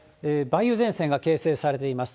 梅雨前線が形成されています。